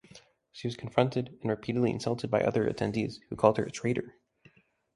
She was confronted and repeatedly insulted by other attendees who called her a "traitor".